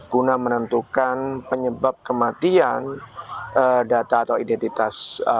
guna menentukan penyebab kematian data atau identitas